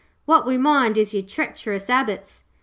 'What we minds is your treacherous 'abits.'